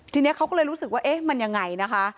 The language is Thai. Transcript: ทีนี้เขาก็เลยรู้สึกว่าเอ๊ะมันยังไงนะคะ